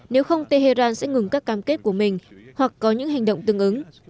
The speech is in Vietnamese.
nếu không tehran sẽ ngừng các cam kết của mình hoặc có những hành động tương ứng